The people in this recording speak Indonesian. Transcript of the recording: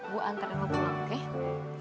gue antar dengan pangke